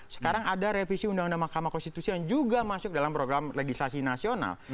sekarang ada revisi undang undang mahkamah konstitusi yang juga masuk dalam program legislasi nasional